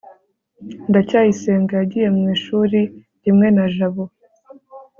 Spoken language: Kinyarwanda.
ndacyayisenga yagiye mwishuri rimwe na jabo